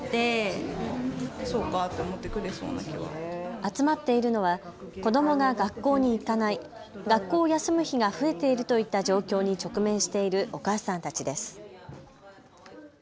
集まっているのは子どもが学校に行かない、学校を休む日が増えているといった状況に直面しているお母さんたちです。